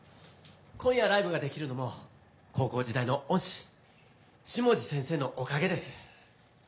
今夜ライブができるのも高校時代の恩師下地先生のおかげです。